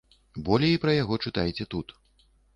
Болей пра яго чытайце тут.